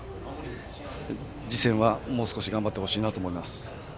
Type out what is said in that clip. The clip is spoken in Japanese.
次戦はもう少し頑張ってほしいなと思います。